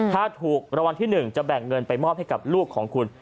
ถ้าถูกรางวัลที่๑จะแบ่งเงินไปมอบให้กับลูกของคุณ